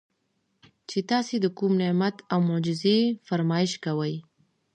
چې تاسي د کوم نعمت او معجزې فرمائش کوئ